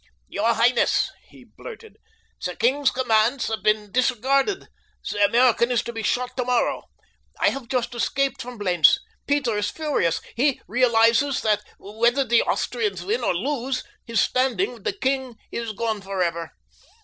"Your highness," he blurted, "the king's commands have been disregarded—the American is to be shot tomorrow. I have just escaped from Blentz. Peter is furious. He realizes that whether the Austrians win or lose, his standing with the king is gone forever.